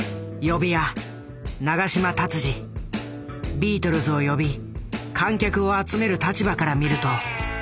ビートルズを呼び観客を集める立場から見ると。